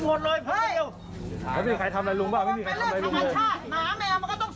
หมอพอมานั่งรออยู่เนี่ยเขาก็ไม่มีใครมาเลย